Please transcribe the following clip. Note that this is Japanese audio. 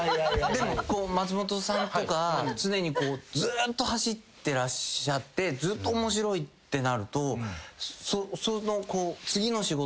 でも松本さんとか常にこうずっと走ってらっしゃってずっと面白いってなると。